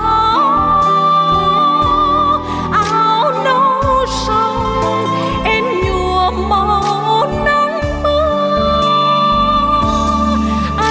áo nâu sông em nhùa màu nắng mưa